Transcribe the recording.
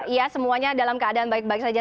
ya semuanya dalam keadaan baik baik saja